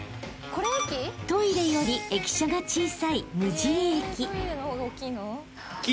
［トイレより駅舎が小さい無人駅］